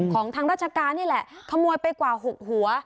ของทางราชการนี่แหละขโมยไปกว่า๖หัว